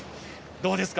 どうですか。